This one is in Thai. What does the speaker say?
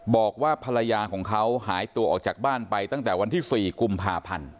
บอกว่าภรรยาของเขาหายตัวออกจากบ้านไปตั้งแต่วันที่๔กุมภาพันธ์